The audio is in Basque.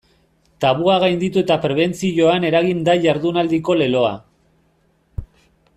Tabua gainditu eta prebentzioan eragin da jardunaldiko leloa.